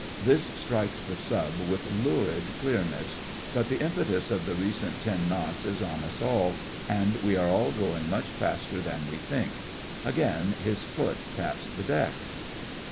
This strikes the Sub with lurid clearness; but the impetus of the recent ten knots is on us all, and we are all going much faster than we think. Again his foot taps the deck.